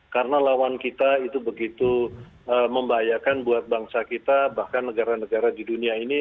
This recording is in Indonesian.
karena lawan kita itu begitu membahayakan buat bangsa kita bahkan negara negara di dunia ini